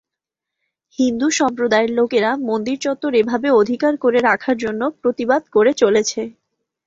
হিন্দু সম্প্রদায়ের লোকেরা মন্দির চত্বর এভাবে অধিকার করে রাখার জন্য প্রতিবাদ করে চলেছে।